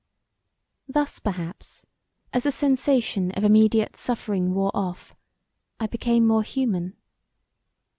Thus perhaps as the sensation of immediate suffering wore off, I became more human.